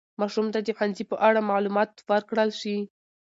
ماشوم ته د ښوونځي په اړه معلومات ورکړل شي.